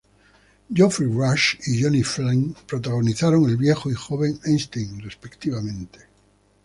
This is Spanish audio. Geoffrey Rush y Johnny Flynn protagonizan el viejo y joven Einstein, respectivamente.